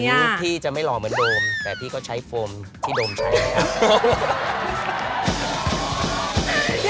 พี่จะไม่หล่อเหมือนโดมแต่พี่ก็ใช้โฟมที่โดมใช้แล้วครับ